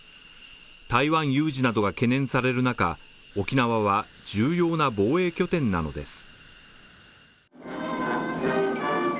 台湾有事などが懸念される中、沖縄は重要な防衛拠点なのです。